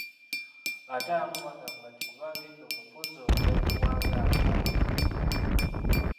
Ate abamu bagamba nti kubanga edda omufuzi oyo yaggibwanga akaba.